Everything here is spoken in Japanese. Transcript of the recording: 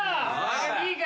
いいか？